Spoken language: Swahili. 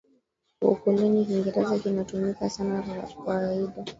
wa ukoloni Kiingereza kinatumika sana na kwa kawaida